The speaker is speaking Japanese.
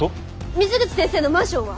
水口先生のマンションは？